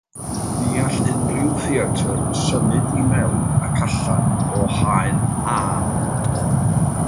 Ni all unrhyw theatr symud i mewn ac allan o Haen “A”.